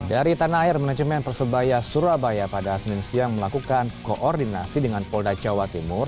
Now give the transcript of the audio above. dari tanah air manajemen persebaya surabaya pada senin siang melakukan koordinasi dengan polda jawa timur